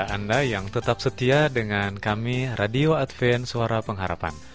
anda yang tetap setia dengan kami radio advent suara pengharapan